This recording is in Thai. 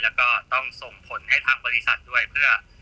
แล้วก็ต้องส่งผลให้ทางบริษัทด้วยเพื่อ